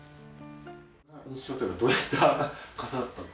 印象というかどういった方だった？